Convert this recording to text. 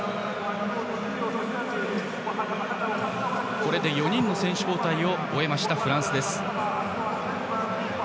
これで４人の選手交代を終えたフランスです。